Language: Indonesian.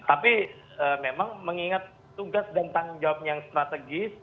tapi memang mengingat tugas dan tanggung jawab yang strategis